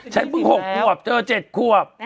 ฉันเพิ่ง๖ขวบเธอ๗ขวบ